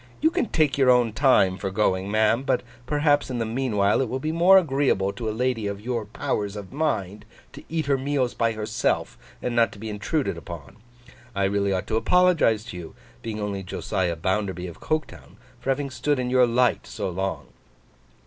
'You can take your own time for going, ma'am; but perhaps in the meanwhile, it will be more agreeable to a lady of your powers of mind, to eat her meals by herself, and not to be intruded upon. I really ought to apologise to you—being only Josiah Bounderby of Coketown—for having stood in your light so long.